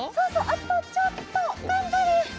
あとちょっとがんばれ。